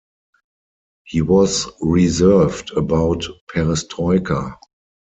He was reserved about perestroika.